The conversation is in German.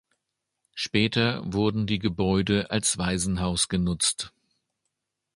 Später wurden die Gebäude als Waisenhaus genutzt.